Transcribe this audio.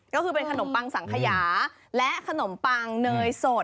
ก็คือเป็นขนมปังสังขยาและขนมปังเนยสด